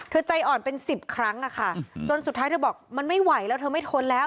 ใจอ่อนเป็นสิบครั้งอะค่ะจนสุดท้ายเธอบอกมันไม่ไหวแล้วเธอไม่ทนแล้ว